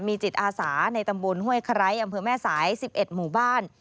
มีจิตอาสาในตำบลห้วยไคร้อำเภอแม่สาย๑๑หมู่บ้าน